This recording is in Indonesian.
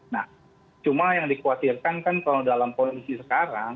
nah cuma yang dikhawatirkan kan kalau dalam kondisi sekarang